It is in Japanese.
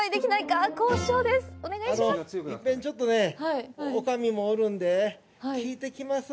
あのう、一遍、ちょっとね、女将もおるんで、聞いてきますわ。